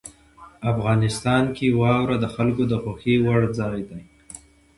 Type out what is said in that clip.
افغانستان کې واوره د خلکو د خوښې وړ ځای دی.